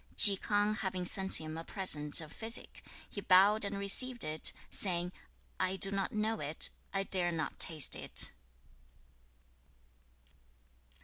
2. Chi K'ang having sent him a present of physic, he bowed and received it, saying, 'I do not know it. I dare not taste it.'